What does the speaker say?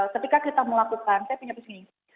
ketika kita melakukan saya punya prinsip gini